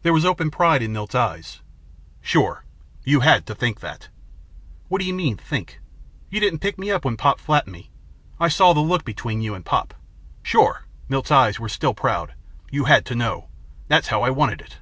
There was open pride in Milt's eyes. "Sure you had to think that." "What do you mean, think? You didn't pick me up when Pop flattened me. I saw the look between you and Pop." "Sure." Milt's eyes were still proud. "You had to know. That's how I wanted it."